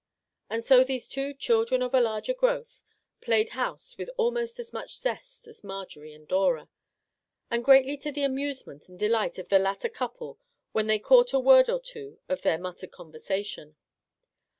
" And so these two " children of a larger growth " played house with almost as much zest as Marjorie and Dora, — and greatly to the amusement and delight of the latter couple when they caught a word or two of their mur mured conversation.